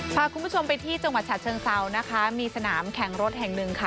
พาคุณผู้ชมไปที่จังหวัดฉะเชิงเซานะคะมีสนามแข่งรถแห่งหนึ่งค่ะ